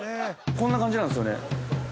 こんな感じなんすよね。